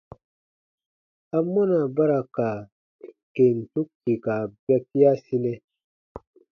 Amɔna ba ra ka kentu kpika bɛkiasinɛ?